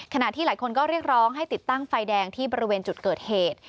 ขณะที่หลายคนก็เรียกร้องให้ติดตั้งไฟแดงที่บริเวณจุดเกิดเหตุ